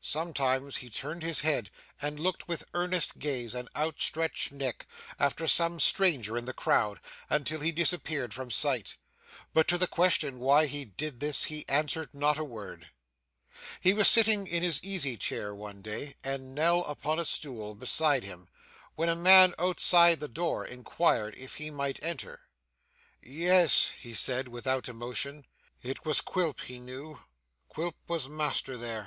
Sometimes he turned his head, and looked, with earnest gaze and outstretched neck, after some stranger in the crowd, until he disappeared from sight; but, to the question why he did this, he answered not a word. He was sitting in his easy chair one day, and Nell upon a stool beside him, when a man outside the door inquired if he might enter. 'Yes,' he said without emotion, 'it was Quilp, he knew. Quilp was master there.